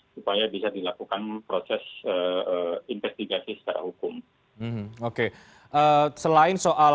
supaya bisa dilakukan proses